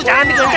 jangan di gencet